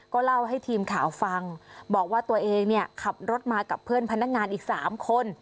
ก็เล่าให้ทีมข่าวฟังบอกว่าตัวเองเนี่ยขับรถมากับเพื่อนพนักงานอีก๓คน